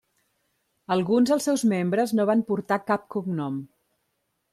Alguns els seus membres no van portar cap cognom.